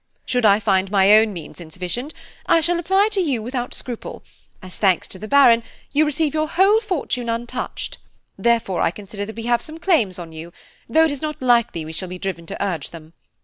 Should I find my own means insufficient, I shall apply to you without scruple, as, thanks to the Baron, you receive your whole fortune untouched; therefore I consider that we have some claims on you, though it is not likely we shall be driven to urge them.